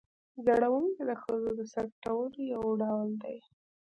ځړوکی د ښځو د سر پټولو یو ډول دی